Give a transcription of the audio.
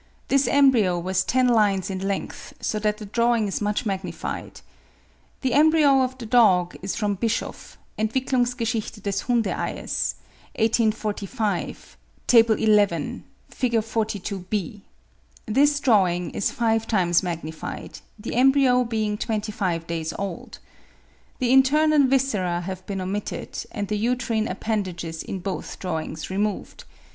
This embryo was ten lines in length, so that the drawing is much magnified. The embryo of the dog is from Bischoff, 'Entwicklungsgeschichte des Hunde Eies,' 1845, tab. xi. fig. 42B. This drawing is five times magnified, the embryo being twenty five days old. The internal viscera have been omitted, and the uterine appendages in both drawings removed.